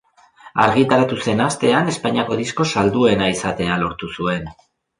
Argitaratu zen astean, Espainiako disko salduena izatea lortu zuen.